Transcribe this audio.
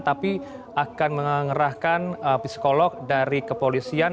tapi akan mengerahkan psikolog dari kepolisian